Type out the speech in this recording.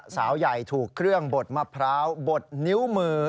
สาวใหญ่ถูกเครื่องบดมะพร้าวบดนิ้วมือ